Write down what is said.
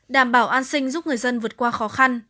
đảm bảo an sinh giúp người dân vượt qua khó khăn